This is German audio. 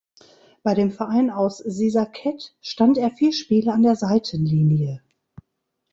Bei dem Verein aus Sisaket stand er vier Spiele an der Seitenlinie.